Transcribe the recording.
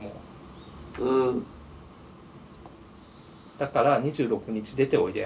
だから２６日出ておいで。